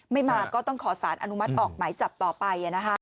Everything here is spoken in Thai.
มาก็ต้องขอสารอนุมัติออกหมายจับต่อไป